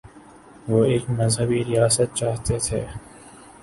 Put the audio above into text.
وہ ایک مذہبی ریاست چاہتے تھے؟